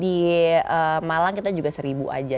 di malang kita juga seribu aja